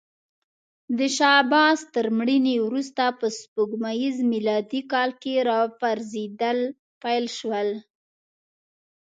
د شاه عباس تر مړینې وروسته په سپوږمیز میلادي کال کې راپرزېدل پیل شول.